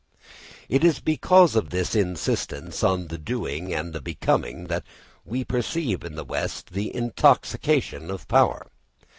It is because of this insistence on the doing and the becoming that we perceive in the west the intoxication of power.